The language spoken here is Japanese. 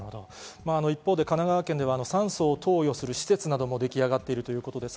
一方、神奈川県では酸素を投与する施設なども出来上がっているということです。